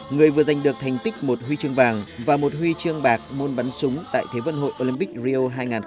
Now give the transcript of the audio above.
người vừa giành được thành tích một huy chương vàng và một huy chương bạc môn bắn súng tại thế vận hội olympic rio hai nghìn hai mươi